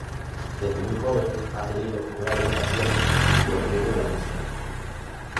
Desde muy joven ha tenido una gran pasión por el mundo de la música.